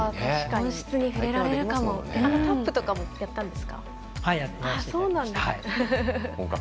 タップとかもやったんですか。